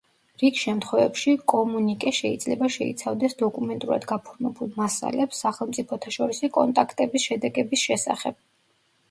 რიგ შემთხვევებში კომუნიკე შეიძლება შეიცავდეს დოკუმენტურად გაფორმებულ მასალებს, სახელმწიფოთაშორისი კონტაქტების შედეგების შესახებ.